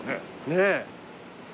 ねえ。